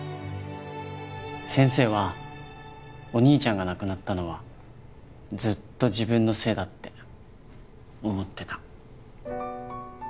先生はお兄ちゃんが亡くなったのはずっと自分のせいだって思ってた。